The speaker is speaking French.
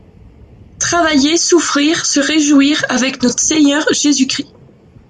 Travailler, souffrir, se réjouir avec Notre Seigneur Jésus-Christ.